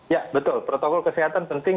ya betul protokol kesehatan penting